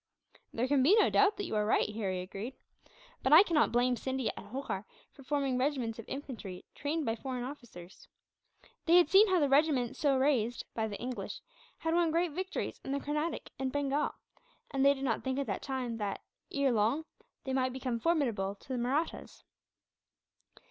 "There can be no doubt that you are right," Harry agreed; "but I cannot blame Scindia and Holkar for forming regiments of infantry, trained by foreign officers. They had seen how the regiments so raised, by the English, had won great victories in the Carnatic and Bengal; and they did not think at that time that, ere long, they might become formidable to the Mahrattas.